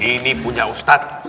eh ini punya ustad